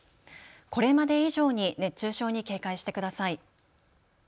これまで以上に熱中症に警戒してください。